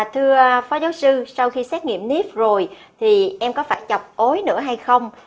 thưa phó giáo sư sau khi xét nghiệm nếp rồi thì em có phải chọc ối nữa hay không